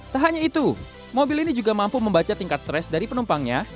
tak hanya itu mobil ini juga mampu membaca tingkat stres dari penumpangnya